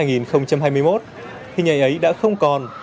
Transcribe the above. hình ảnh ấy đã không còn